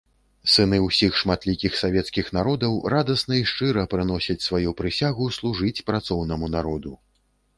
Сыны ўсіх шматлікіх савецкіх народаў радасна і шчыра прыносяць сваю прысягу служыць працоўнаму народу.